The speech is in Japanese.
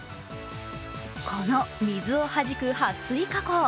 この、水をはじくはっ水加工。